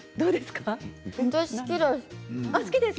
私は好きです。